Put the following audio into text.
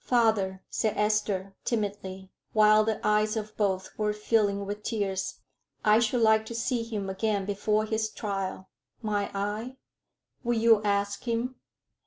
"Father," said Esther, timidly, while the eyes of both were filling with tears, "I should like to see him again before his trial. Might I? Will you ask him?